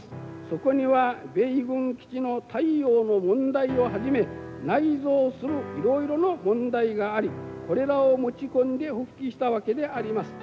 そこには米軍基地の対応の問題をはじめ内蔵するいろいろの問題がありこれらを持ち込んで復帰したわけであります。